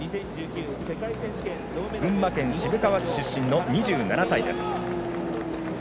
群馬県渋川市出身の２７歳です。